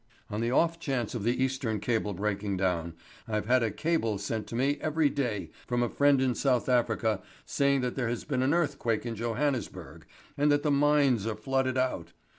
"On the off chance of the Eastern cable breaking down, I've had a cable sent to me every day from a friend in South Africa saying that there has been an earthquake in Johannesburg, and that the mines are flooded out.